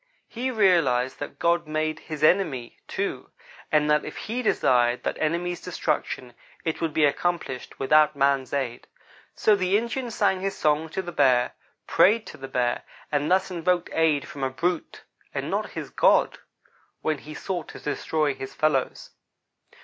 He realized that God made his enemy, too; and that if He desired that enemy's destruction, it would be accomplished without man's aid. So the Indian sang his song to the bear, prayed to the bear, and thus invoked aid from a brute, and not his God, when he sought to destroy his fellows.